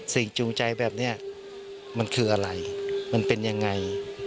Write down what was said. จูงใจแบบนี้มันคืออะไรมันเป็นยังไง